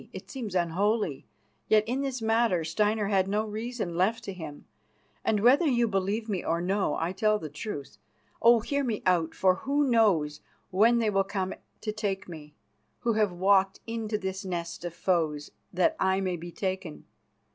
It seems unholy. Yet in this matter Steinar had no reason left to him and, whether you believe me or no, I tell the truth. Oh! hear me out, for who knows when they will come to take me, who have walked into this nest of foes that I may be taken?